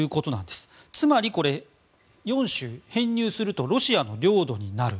つまり、４州、編入するとロシアの領土になる。